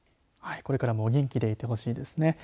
これからもお元気でいてほしいですね。